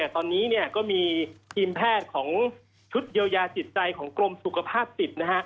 ตอนนี้ก็มีทีมแพทย์ของชุดเยียวยาจิตใจของกรมสุขภาพจิต